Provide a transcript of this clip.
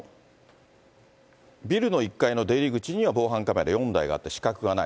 ビルの１階の出入り口には防犯カメラ４台があって、死角はない。